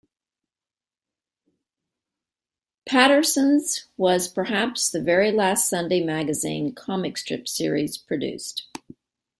Patterson's was perhaps the very last Sunday magazine comic strip series produced.